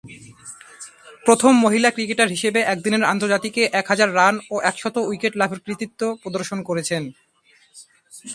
প্রথম মহিলা ক্রিকেটার হিসেবে একদিনের আন্তর্জাতিকে এক হাজার রান ও একশত উইকেট লাভের কৃতিত্ব প্রদর্শন করেছেন।